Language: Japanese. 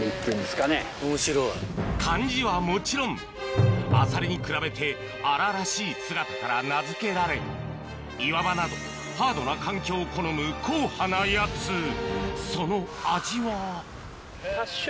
漢字はもちろんアサリに比べて荒々しい姿から名付けられ岩場などハードな環境を好む硬派なやつ多少。